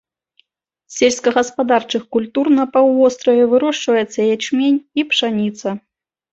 З сельскагаспадарчых культур на паўвостраве вырошчваецца ячмень і пшаніца.